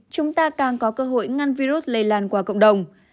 chúng ta càng có cơ hội ngăn virus lây lan qua cộng đồng